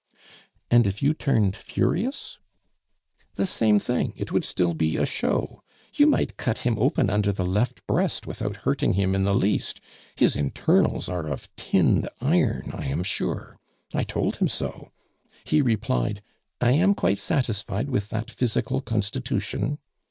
"And if you turned furious?" "The same thing; it would still be a show. You might cut him open under the left breast without hurting him in the least; his internals are of tinned iron, I am sure. I told him so. He replied, 'I am quite satisfied with that physical constitution.